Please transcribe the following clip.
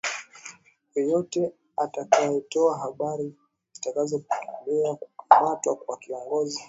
yeyote atakayetoa habari zitakazopelekea kukamatwa kwa kiongozi